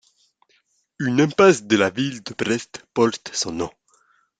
Une impasse de la ville de Brest porte son nom.